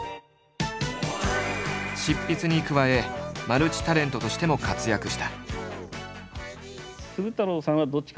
執筆に加えマルチタレントとしても活躍した。